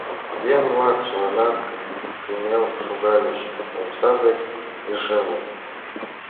Еҥ-влак чыланат кынел шогальыч, омса дек лишемыт.